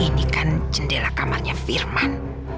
ini kan jendela kamarnya firman